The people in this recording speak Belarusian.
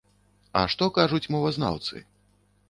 А што кажуць мовазнаўцы?